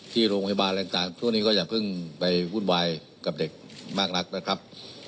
ที่โรงพยาบาลอะไรต่างช่วงนี้ก็อย่าเพิ่งไปวุ่นวายกับเด็กมากนักนะครับ